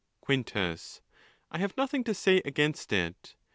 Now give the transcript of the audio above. IIL. Quintus.—I have nothing to say against it.